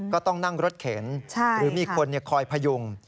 ก็ต้องนั่งรถเข็นหรือมีคนคอยพยุง